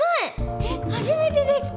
えっはじめてできた！